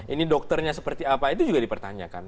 ini dokternya seperti apa itu juga dipertanyakan